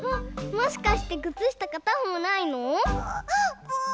もしかしてくつしたかたほうないの？